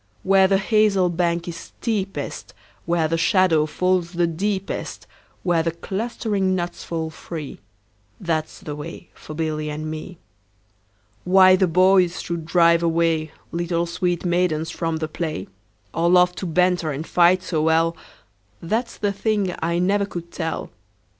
Where the hazel bank is steepest, Where the shadow falls the deepest, Where the clustering nuts fall free, 15 That 's the way for Billy and me. Why the boys should drive away Little sweet maidens from the play, Or love to banter and fight so well, That 's the thing I never could tell.